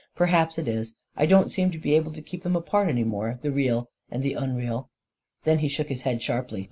" Perhaps it is — I don't seem to be able to keep them apart any more — the real and the unreal." Then he shook his head sharply.